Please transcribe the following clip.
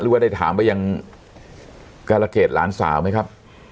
ว่าได้ถามไปยังการะเกดหลานสาวไหมครับ